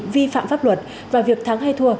vi phạm pháp luật và việc thắng hay thua